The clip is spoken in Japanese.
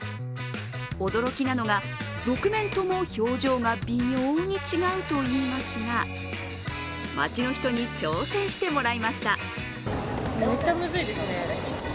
驚きなのが６面とも表情が微妙に違うといいますが、街の人に挑戦してもらいました。